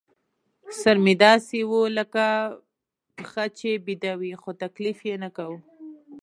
سر مې داسې و لکه پښه چې بېده وي، خو تکلیف یې نه کاوه.